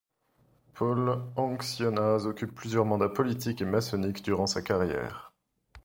Paul Anxionnaz occupe plusieurs mandats politique et maçonnique durant sa carrière.